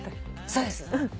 そうです。